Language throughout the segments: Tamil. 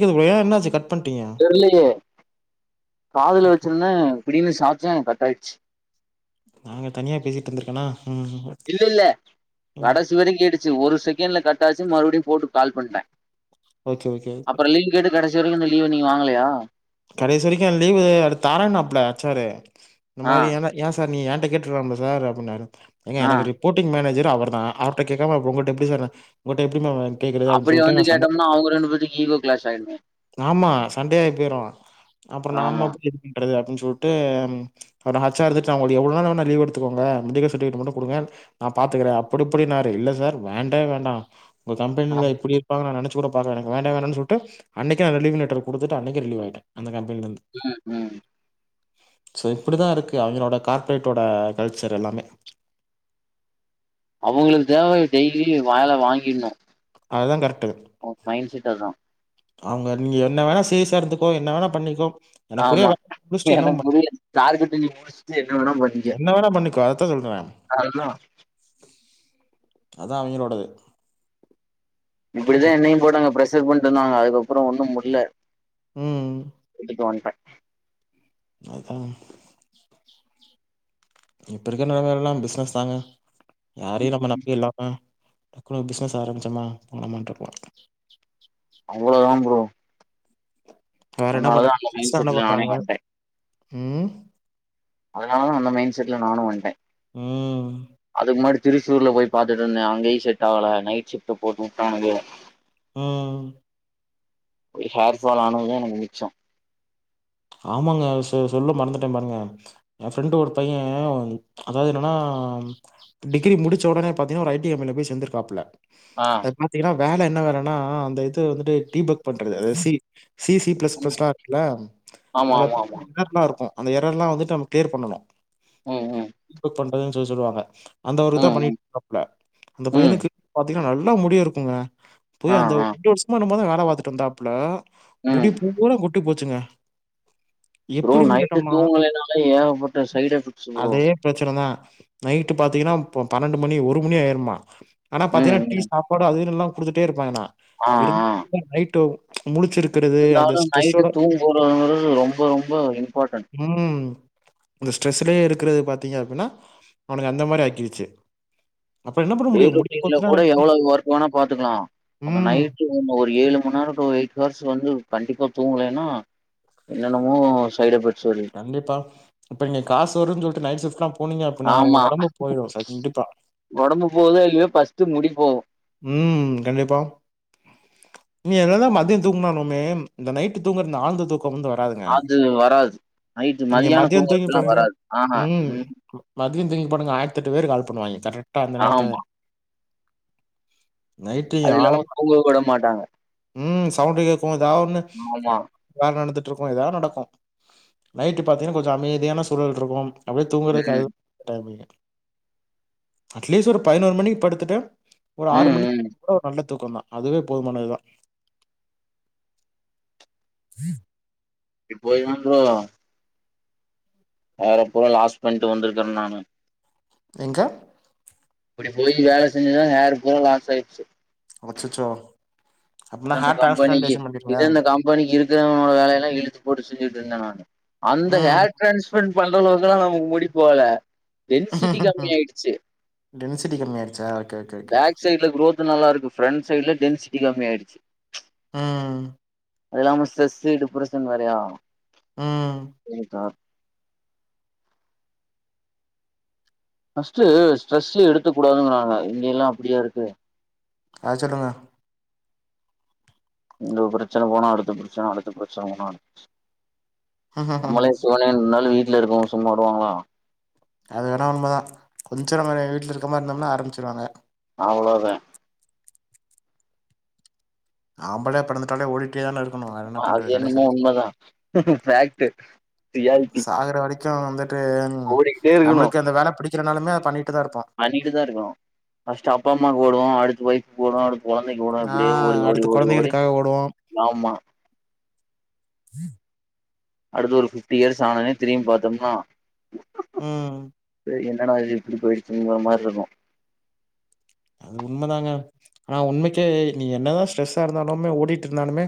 யா அது வேற என்னச்சு கட் பண்ட்டீங்க இல்லையே காதுல ஓகே வச்சிருந்தா இப்பிடின்னு சாச்ச கட் ஆயிர்ச்சு நாங்க தனியா பேசிட் இருந்தருக்கணா ம் இல்ல இல்ல ம் கடைசி வரைக் கேட்டுச்சு ஒரு செகண்ட்ல கட்டாச்சு மறுவடியு போட்டு கால் பண்டே ஓகே ஓகே ஓகே அப்புற லீவ் கேட்டு கடைசி வரைக்கு இந்த லீவு நீங்க வாங்கலயா கடைசி வரைக்கு அத் லீவு அத் தாரேனாப்ல ஹெச் சார் ரு இந்த ஆ மாரி எனா ஏ சார் நீ என்ட்ட கேட்ருக்கலாமில்ல சார் அப்டின்னாரு ஏங்க ஆ எனக்கிருக் போட்டிங் மேனேஜர் அவர் தா அவர்ட்ட கேக்காம உங்கள்ட்ட எப்புடி சாருன உங்கள்ட்ட எப்டிமா [unintelligible] கேக்றது அப்டின் அப்படி வந்து சொல்லிட்டு சண்ட கேட்டோம்னா அவங்க ரெண்டு பேத்துக்கு ஈகோ கிளாஷ் ஆயிடுமே ஆமா சண்டயாயி போயிரு அப்புறோ நாம ஆமா எப்புடி இது பண்றது அப்டின் சொல்ட்டு [unintelligible] ஹச் சார் இருந்துட்டு அவங்கள்ட எவ்ளவு நாள் வேணா லீவ் எடுத்துக்கோங்க மெடிகட் மட்டு குடுங்க நா பாத்துக்கறே அப்புடி இப்புடின்னாரு இல்ல சார் வேண்டவே வேண்டா உங்க ஆ, கம்பெனியில இப்டி ப்பாங்க நா நெனைச்சு கூட பாக்ல எனக் வேண்டவே வேண்டா சொல்ட்டு அன்னைக்கே நா ரிலீவ் லெட்டர் குடுத்துட்டு அன்னைக்கே ரிலீவ் ஆயிட்டே அந்த கம்பெனில இருந்து [inaudible] ஸோ இப்புடி தா இருக்கு அவங்களோட கார்பரேட்டோட கல்ச்சர் எல்லாமே அவுங்களுக் தேவ டெய்லியு வேல வாங்கிட்ணு அதா கரெக்ட்டு ஓ மைண்ட் செட் அதா அவங்க நீங்க என்ன வேணா சீரியசா எடுத்துக்கோ என்ன வேணா பண்ணிக்கோ எனக்குரிய ஆமா வேலைய முடிச்சுட்டு என்ன எனக்கு பண்- புரியாது டார்கெட் நீ முடிச்ட்டு என்ன வேணா பண்ணிக்க என்ன வேணா பண்ணிக்கோ. அதுதா அதா அவங்களோடது இப்புடித்தா என்னையு அங்க போட்டு ப்ரஷர் பண்ணிட்ருந்தாங்க அதுக்கப்புறோ ஒன்னு முட்ல ம். வீட்டுக்கு வண்ட்ட அதா இப்ப இருக்ற நெலமைலெல்லா பிஸ்னஸ் தாங்க யாரையு நம்ம நம்பிட்ல்லா அ டக்குனு பிஸ்னஸ் ஆரம்பிச்சமா போனமான்ட்ருக்குனு அவ்ளோ தா ப்ரோ வேற என்ன பண்ற அதனாலதான் அந்த மைண்ட் கிட்ஸ்லா என்ன செட்ல நானே பண்றாங்க வந்துட்டேன் ம் அதனாலதா அந்த மைண்ட் செட்ல நானு வண்டே ம். அதுக் முன்னாடி திருச்சூர்ல போய் பாத்துட்டு இருந்தே அங்கயு செட் ஆகல நைட் ஷிப்ட்ட போட்டு வுட்டானுக ம் ஒரு ஹேர் ஃபால் ஆனது தா மிச்சோ ஆமாங்க அ சொ சொல்ல மறந்துட்டே பாருங்க எ ஃப்ரெண்டு ஒரு பைய அதாவது என்னன்னா டிகிரி முடிச்ச உடனே பாத்தீங்கனா ஒரு ஐ டி கம்பெனில போய் சேந்திருக்காப்புல ஆ அது பாத்தீங்கனா வேல என்ன வேலன்னா அந்த இது வந்துட்டு டீ பக் பண்றது அதாது சீ சி சி ப்ளஸ் ப்ளஸ்லா இருக்குல்ல ஆமா ஆமா ஆமா [inaudible] இருக்கு அந்த எரர்ல்லா வந்துட்டு நம்ம க்ளியர் பண்ணணு ம் ம் டீ பக் பண்றது சொல்லுவாங்க அந்த ஒரு இதா ம் பண்ணி ம் [inaudible] அந்த ம் பையனுக்கு பாத்தீங்கனா நல்லா முடி இருக்குங்க ஆ போய் அந்த ஆ ரெண்டு வருஷமோ என்னமோ தா வேல வாத்துட்ருந்தாப்புல ம் முடி பூரா கொட்டி போச்சுங்க ப்ரோ எப்படின்னு நைட்டு கேட்டோம்னா, தூங்கலேனால ஏகப்பட்ட சைட் எஃபெக்ட்ஸ்சு ப்ரோ பிரச்சன தா நைட்டு பாத்தீங்கனா ப பன்னெண்டு மணி ஒரு மணி ஆயிருமா ஆனா ம் பாத்தீங்கனா டீ ம் சாப்பாடு அது இதுன் எல்லா குடுத்துட்டே இருப்பாங்கனா ஆ ஆ [inaudible] நைட்டு முழிச்சிருக் இருந்தாலு நைட்டு தூங்க [unintelligible] ரொம்ப ரொம்ப இம்பாட்டன்ட் ம் அந்த ஸ்ட்ரெஸ்லயே இருக்கறது பாத்தீங்க அப்டினா அவனுக்கு அந்த மாரி ஆக்கிருச்சு அப்புறம் என்ன பண்ண டே முடியும்? முடி ஷிஃப்ட் சைட்ல போச்சுன்னா கூட எவ்வளவு ஒர்க் வேணா பாத்துக்கலா அந்த ம். நைட்டு ங்க ஒரு ஏழு மண் நேரோ டு எய்ட் ஹார்ஸ் வந்து கண்டிப்பா தூங்கலனா என்னன்னமோ சைட் எஃபெக்ட்ஸ் வருது கண்டிப்பா இப்ப நீங்க காசு வருன் சொல்ட்டு நைட்ஷிஃப்ட்லா போனீங்க அப்பிட்னா உங்க ஆமா ஒடம்பு போய்ரு ஸ் கண்டிப்பா ஒடம்பு போதோ இல்லியோ ஃபஸ்ட்டு முடி போகு ம் கண்டிப்பா நீ என்னதா மதிய தூங்னாலுமே இந்த நைட்டு தூங்கற இந்த ஆழ்ந்த தூக்கோ வந்து வராதுங்க அது வராது நைட்டு நீங்க மதியானோ மதியோ தூங்கி தூங்குறப்பல்லா பாருங்க வராது ஆஹா ம் மதியோ தூங்கி பாருங்க ஆயர்த்தெட்டு வேரு கால் பண்ணுவாய்ங்க கரெக்ட்டா அந்த நேர்த்துல தா ஆமா நைட்டு நீங்க அது இல்லாம ஆழமா தூங்க விட மாட்டாங்க ம் சவுண்டு கேக்கு எதா ஒன்னு ஆமா வேல நடந்துட்ருக்கு எதாத் நடக்கு நைட்டு பாத்தீங்கனா கொஞ்ச அமைதியான சூழல்ருக்கு அப்டே தூங்கறதுக்கு அது ம் தா டைமிங்கே அட்லீஸ்ட் ஒரு பதினோரு மணிக் படுத்துட்டு ஒரு ஆறு ம் மணிக் ம் கூட ஒரு நல்ல தூக்கந்தா அதுவே போதுமானதுதா இப்போ இவங்ளு ஹேர பூரா லாஸ் பண்ட்டு வந்திருக்கே நானு எங்க இப்டி போய் வேல செஞ்சு தா ஹேர் பூரா லாஸ் ஆய்ட்ச்சு அச்சச்சோ அப்பனா அதா இந்த ஹார்ட் கம்பெனிக்கு டிரான்ஸ்பிளான்டேஷன் பண்ணிருங்க. இது இந்த கம்பெனிக்கு இருக்கிறவனோட வேலயெல்லா இழுத்து போட்டு செஞ்சுகிட்ருந்த நானு அந்த ம். ஹேர் ட்ரான்ஸ்ஃபரண்ட் பண்ற அளவுக்குல்லா நமக்கு முடி போகல டென்சிட்டி கம்மி ஆயிடுச்சு டென்சிட்டி கம்மியாய்ருச்சா ஓகே ஓ பேக் சைட்ல க்ரோத்து நல்லா இருக்கு ஃப்ரண்ட் சைட்ல டென்சிட்டி கம்மியாய்டுச்சு ம். அது இல்லாம ஸ்ட்ரஸ்ஸு, டிப்ரெஷன் வேறயா ம். [inaudible] தா ஃபஸ்ட்டு ஸ்ட்ரஸ்ஸு எடுக்க கூடாதுங்கறாங்க இங்கெல்லா அப்பிடியா இருக்கு ஆ சொல்லுங்க இந்த பிரச்சன போனா அடுத்த பிரச்சன அடுத்த பிரச்சன போனா அடுத்த ஹ [unintelligible] சிவனேன் இர்ந்தாலு வீட்ல இருக்கவ்ங்க சும்மா விடுவாங்களா அது வேணா உண்ம தா கொஞ்சோ நம்ம எங்க வீட்லருக்கற் மார்ருந்தம்னா ஆரம்பிச்சிருவாங்க அவளோதா ஆம்பளயா பெறந்துட்டாலே ஓடிட் டே தான இருக்கணு வேற என்ன அது பண்றது கடைசி என்னமோ வரிக்கு உண்மதா ஃபேக்ட்டு ரியாலிட்டி சாகற வரிக் கு வந்துட்டு ஓடிக்கிட்டே இருக்கணு நம்மளுக்கு அந்த வேல பிடிக்கலனாலுமே அத பண்ணிட்டு தா இருப்போ பண்ணிட்டுதா இருக்கணு ஃபஸ்ட்டு அப்பா அம்மாக் ஓடுவோ அடுத்து ஒய்ஃபுக் ஓடுவோ அடுத் கொழந்தைக் ஓடுவோ ஆ இப்பிடியே ஓடி ஓடி அடுத்து ஓடி ஓடி கொழந்தைகளுக்காக ஓடுவோம். ஆமா அடுத்து ஒரு ஃபிஃப்டி இயர்ஸ் ஆனோன்னே திரும் பாத்தம்னா ம் டேய் என்னடா இது இப்பிடி போய்டுச்சுங்கற மார்ருக்கு அது உண்மதாங்க ஆனா உண்மைக்கே நீங்க என்னதா ஸ்ட்ரஸ்ஸா இருந்தாலுமே ஓடிட்ருந்தாலுமே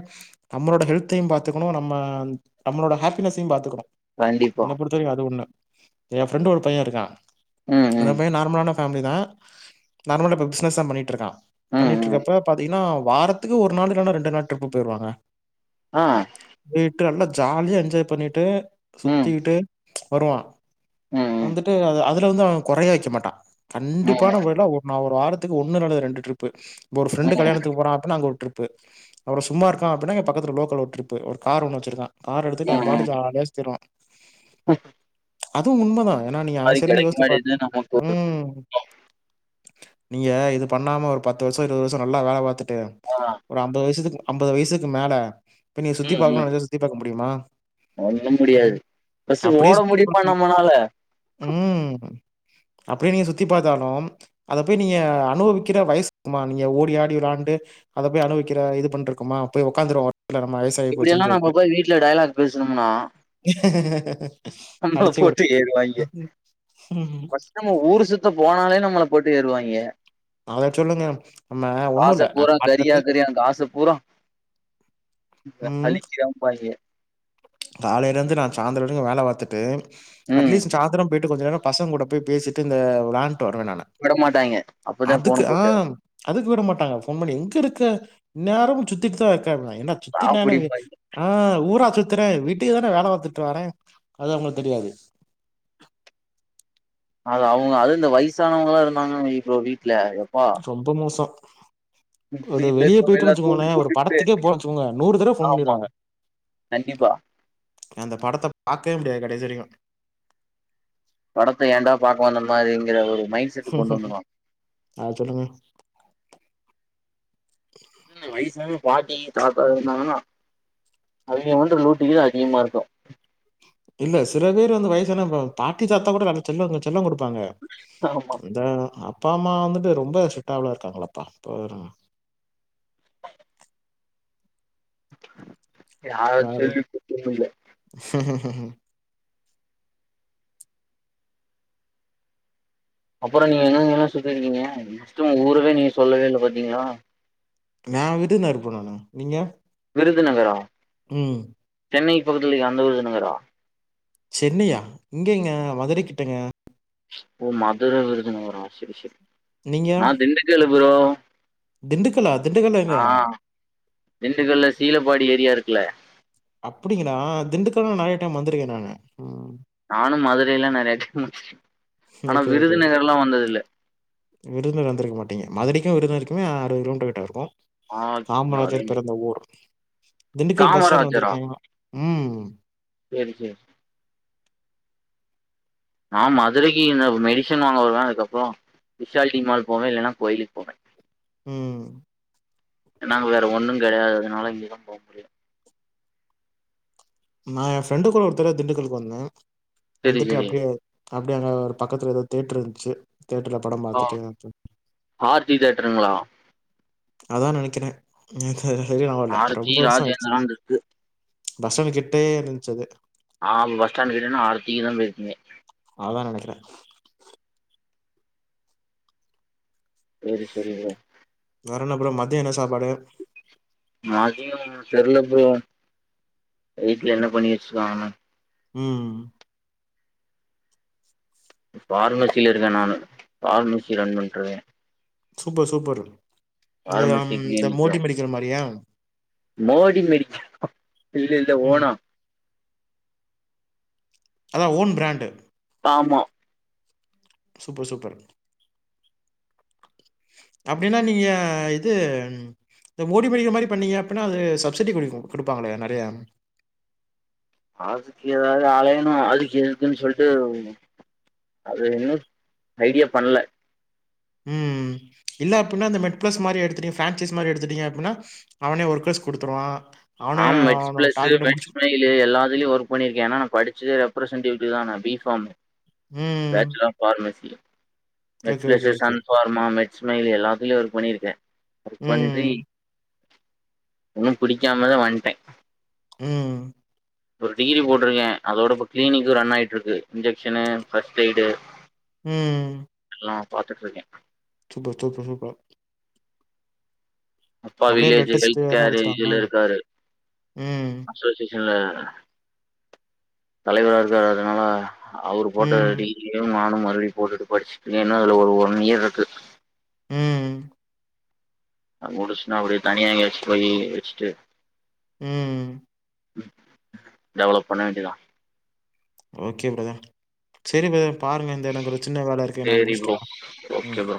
நம்மளோட ஹெல்த்தையு பாத்துக்கணு நம்ம நம்மளோட ஹேப்பினஸ்ஸயு பாத்துக்கணு கண்டிப்பா தெரியு அது ஒன்னு எ ஃப்ரெண்டு் ஒரு பைய இருக்கா ம் அந்த ம் பைய நார்மலான ஃபேமிலி தா நார்மலா இப்ப பிஸ்னஸ் தா பண்ணிட்ருக்கா ம் ம் பண்ணிட்ருக்கப்ப பாத்தீங்கனா வாரத் க்கு ஒரு நாள் இல்லனா ரெண்டு நாள் ட்ரிப்பு போய்ருவாங்க ஆ போய்ட்டொன்ன ஜாலியா என்ஜாய் பண்ணிட்டு ம். சுத்திக்கிட்டு வருவா ம். ம். வந்துட்டு அது அதுல வந்து அவ கொறையே வெக்க மாட்டா ம். கண்டிப்பான மொறைல அவ ஒரு வாரத்துக்கு ஒன்னு இல்லன ரெண்டு ட்ரிப்பு ஒரு ம். ஃப்ரெண்டு கல்யாணத்துக்கு போறா அப்டின்னா அங்க ஒரு ட்ரிப் பு அவரு சும்மா இருக்கா அப்டின்னா பக்கத்துல லோக்கல்ல ஒரு ட்ரிப்பு கார் ஒன்னு வச்சிருக்கா கார் எடுத்துட்டு அவ ம். ம். பாட்னு ஜாலியா சுத்தி வருவா அதுவு உண்மதா ஏன்னா நீங்க அவ அது சைட்லந்து கெடைக்க யோஸ்ச்சு பாருங் மாட்டேது நமக்கு ம் நீங்க இது பண்ணாம ஒரு பத்து வருஷோ இருவ் வருஷோ நல்லா வேல பாத்துட்டு ஆமா ஒரு அம்பது வருஷத்துக்கு அம்பது வயசுக்கு மேல இப்ப நீ சுத்தி பாக்கணு நெனச்சா சுத்தி பாக்க முடியுமா ஒண்ணு முடியாது ம். ஃபர்ஸ்ட்டு ஓட முடியுமா நம்மனால அப்டியே நீ சுத்தி பாத்தாலும் அத போய் நீங்க அனுபவிக்கிற வயசுக்குமா நீங்க ஓடி ஆடி விளாண்டு அத போய் அனுவிக்கற இது பண்ருக்குமா போய் ஒக்காந்துருவோ [inaudible] நம்ம வய்ஸ் இப்படியெல்லா நம்ம போய் வீட்ல டைலாக் பேசணும்னா நம்மள அடிச்சு உடு போட்டு ஏறுவாய்ங்க. ஃபர்ஸ்ட் நம்ம ஊரு சுத்த போனாலே நம்மள போட்டு ஏருவாய்ங்க அத சொல்லுங்க. நம்ம ஒண்ணும் இல்ல. காச நான் பூரா காலையிலருந்து கரியாக்கிறியா காச பூரா அழிக்குறான்ம்பாய்ங்க காலையிலந்து நா சாந்திர வரைக்கும் வேல பாத்துட்டு ம். அட்லீஸ்ட் சாந்திரம் போய்ட்டு கொஞ்ச நேரம் பசங்க கூட போய் பேசிட்டு இந்த விளாண்ட்டு வருவ நானு விடமாட்டாய்ங்க. அப்பதான் அதுக்கு ஃபோன ஆ போட்டு அதுக்கு விட மாட்டாங்க ஃபோன் பண்ணி எங்க இருக்க எந்நேரமு சுத்திட்டு தா இருக்க அப்டின்னாய்ங்க என்ன சுத்திட் நா என்ன உங்ளுக் அப்படிம்பாய்ங்க. ஆ ஊரா சுத்தி துரே வீட்டுக்கு தான வேல பாத்துட்டு வாரே அது அவங்களுக்கு தெரியாது அது அவுங்க அதுவு இந்த வயசானவங்களா இருந்தாங்கனாவை ப்ரோ வீட்ல யப்பா ரொம்ப மோசம் கொஞ்சோ வீட்ல வெளியே இருக்கவங்க போயிட்டன் எல்லாம் தூங்கி வெச்சுக்கோங்ளேன் ஒரு போட்டுட்டு படத்துக்கே போறன் வெச்சுக்கோங்க நூறு தடவ ஃபோன் ஆமா. பண்ணிருவாங்க கண்டிப்பா அந்த படத்த பாக்கவே முடியாது கடைசி வரைக்கும் படத்த ஏன்டா பாக்க வந்த மாரிங்கிற ஒரு மைண்ட் செட் கொண்டு வந்துருவா அத சொல்லுங்க ம் வயசான பாட்டி தாத்தா இருந்தாங்கன்னா அவுங்க பண்ற லூட்டி தா அதிகமா இருக்கும் இல்ல சில பேரு வந்து வயசான பாட்டி தாத்தா கூட வேலைக் செல்லம்ங்க செல்லம் குடுப்பாங்க ஆமா இத அப் அப்பா அம்மா வந்துட்டு ரொம்ப ஸ்ட்ரீக்ட்டால இருக்காங்களாப்பா போதும் யார வேற சொல்லி குத்தமில்ல அப்புறம் நீங்க எங்கெங்கல்லா சுத்தி இருக்கீங்க ஃபர்ஸ்ட்டு உங்க ஊரவே நீங்க சொல்லவே இல்ல பாத்தீங்ளா நா விடுநறு போனுனோ நீங்க விருதுநகரா ம் சென்னைக் பக்கத்துலே அந்த விருதுநகரா சென்னையா இங்கேங்க மதுர கிட்டங்க ஓ மதுர விருதுநகரா செரி செரி நா திண்டுக்கல்லு ப்ரோ திண்டுக்கல்லா திண்டுக்கல்ல எங்க ஆ திண்டுக்கல்ல சீலப்பாடி ஏரியா இருக்குல அப்டிங்களா திண்டுக்கல்லா நெறைய டைம் வந்திருக்கே நானு ம். நானு மதுரையல்லா நெறைய டைம் வந்துருக் ஆனா ஓகே, ஓகே, ஓகே. விருதுநகர்லா வந்தது இல்ல விருதுநகர் வந்திருக்க மாட்டீங்க மதுரைக்கு விருதுநருக்குமே அறுவது கிலோமீட்டர் கிட்ட இருக்கு ஆ காமராஜர் பிறந்த ஊர் திண்டுக்கல் பஸ் ஸ்டாண்டு காமராஜரா வந்திருக்கேங்ளா செரி செரி நா மதுரைக்கு இங்க மெடிசன் வாங்க வருவே அதுக்கப்றோ விஷால் டிமால் போவே இல்லன்னா கோயிலுக்கு போவே ம் நாங்க வேற ஒன்னு கெடையாது அதனால இங்கேதா போ முடியு நா எ ஃப்ரெண்டு கூட ஒருத்தட திண்டுக்கலுக்கு வந்தே சரி வந்துட்டு சரி அப்டியே அப்டி அங்க ஒரு பக்கத்துல ஏதோ த்யேட்டரு இருந்துச்சு த்யேட்டர்ல படம் பாத்துட்டு ஆர் ஜி த்யேட்டருங்களா அதா நெனைக்கிறே எனக்கு சரியா நியாபோ இல்ல ஆர்த்தி ரொம்ப வருஷோ ஆச்சு ராஜேந்திரான் இருக்கு பஸ் ஸ்டாண்ட் கிட்டே இருந்ச்சு அது ஆம் பஸ்ஸ்டண்ட் கிட்டனா ஆர் ஜிக்கு தா போயிருப்பீங்க அதா நெனைக்கிறே செரி செரிங்க வேறென்ன ப்ரோ மதியோ என்ன சாப்பாடு மதியம் தெர்ல ப்ரோ வீட்ல என்ன பண்ணி வச்சிருக்காங்கன்னு ம் ஃபார்மசியில இருக்கே நானு ஃபார்மசி ரன் பண்ருக்கே சூப்பர் சூப்பரு யம் ஃபார்மசி இந்த மோடி கிளினிக்கும் மெடிக்கல் மாரியா மோடி மெடிக்கலா இல்ல இல்ல ம் ஓனா அதா ஓன் பிராண்டு ஆமா சூப்பர் சூப்பர் அப்டின்னா நீங்க இது இந்த மோடி மெடிக்கல் மாரி பண்ணீங்க அப்பின்னா அது சப்சிடி குடிக்கு குடுப்பாங்களே நெறையா அதுக்கு ஏதாவ்து அலையணு அதுக்கு இருக்குன் சொல்ட்டு அது இன்னு ஐடியா பண்ல ம் இல்ல அப்பின்னா இந்த மெட்பிளஸ் மாரி எடுத்துட்டீங்க பேன்சிஸ் மாரி எடுத்துட்டீங்க அப்பின்னா அவனே ஒர்க்கர்ஸ் குடுத்ருவா ஆம் மெட்ஸ் பிளஸ் மெட்ஸ் மை திலு எல்லாத்லயு ஒர்க் பண்ணிருக்கே ஏனா நா படிச்சி ரெப்ரசென்டேடிவ் தா நா பி பாம் ம் பேச்சலர் ஆஃப் ஃபார்மசி மெட் okay okay plus okay Sun pharma மெட் ஸ்மைலு எல்லாத்லயு ஒர்க் பண்ணியிருக்கே ஒர்க் பண்ணிட்டு ம் ஒன்னு பிடிக்காமதா வந்ட்டே ம் உம் ஒரு டிகிரி போட்ருக்கே அதோடப்ப கிளீனிக்கு ரன் ஆய்ட்டு இருக்கு இன்ஜெக்ஷனு ஃபர்ஸ்ட் எய்டு ம் எல்லா பாத்துட் இருக்கே சூப்பர் சூப்பர் சூப்பர் அப்பா அப்டியே பிளட் வில்லேஜு டெஸ்ட் ஹெல்த் எதனா கேரு இதுல எடுத்துட்டாங்களா இருக்காரு ம் ச ஸ்டேஷன்ல தலைவராருக்கார் அதனால அவரு ஃபோட்டோ ம் ரெடி மானும் மருப்டி போட்டுட்டு படிச்சுட் ஏனா அதுல ஒரு ஒன் இயர் இருக்கு ம் அங்க முடிஷ்ட்னா அப்டியே தனியா எங்கயாச்சு போய் வெச்ட்டு ம் டெவலப் பண்ண வேண்டிதா ஓக்கே பிரதர் சேரி ப்ரதர் பாருங்க இந்த எனக்கு ஒரு சின்ன வேல இருக்கு நா சரி முடிஷ்ட்டு ப்ரோ வரே ஓகே ப்ரோ